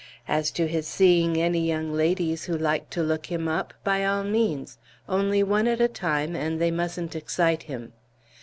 As to his seeing any ladies who like to look him up, by all means, only one at a time, and they mustn't excite him.